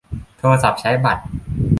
โทรศัพท์ใช้บัตร